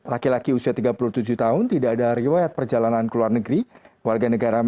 laki laki usia tiga puluh tujuh tahun tidak ada riwayat perjalanan ke luar negeri